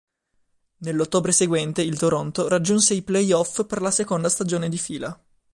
Nell'ottobre seguente il Toronto raggiunse i play-off per la seconda stagione di fila.